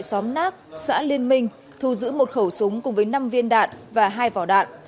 xóm nác xã liên minh thu giữ một khẩu súng cùng với năm viên đạn và hai vỏ đạn